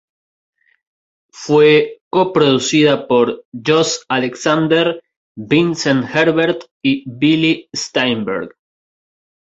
Fue co-producida por Josh Alexander, Vincent Herbert, y Billy Steinberg.